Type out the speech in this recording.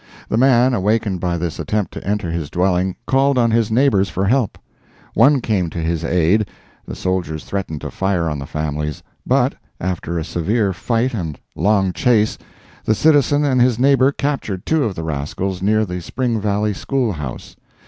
The man, awakened by this attempt to enter his dwelling, called on his neighbors for help. One came to his aid, the soldiers threatened to fire on the families, but, after a severe fight and long chase, the citizen and his neighbor captured two of the rascals near the Spring Valley School House.